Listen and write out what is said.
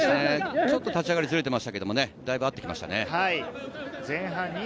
ちょっと立ち上がりずれてましたけど、だいぶ合ってきましたね。